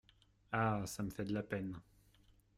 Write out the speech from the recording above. Ah ! ça me fait de la peine !